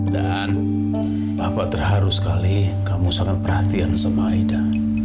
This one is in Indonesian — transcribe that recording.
dan bapak terharu sekali kamu sangat perhatian sama aida